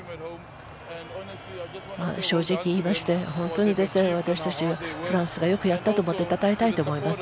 正直言いまして、本当に私たちはフランスがよくやったと思ってたたえたいと思います。